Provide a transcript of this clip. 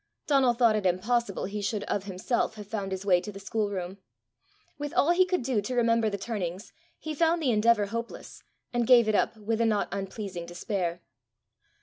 Donal thought it impossible he should of himself have found his way to the schoolroom. With all he could do to remember the turnings, he found the endeavour hopeless, and gave it up with a not unpleasing despair.